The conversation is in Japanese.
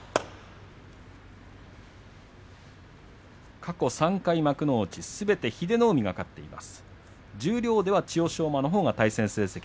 過去３回いずれも英乃海が勝っています。